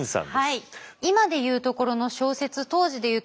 はい。